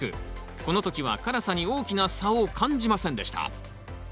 この時は辛さに大きな差を感じませんでした。